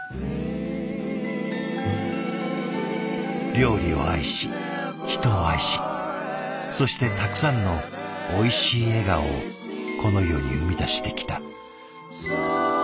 料理を愛し人を愛しそしてたくさんのおいしい笑顔をこの世に生み出してきた。